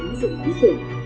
hữu dụng đáng sử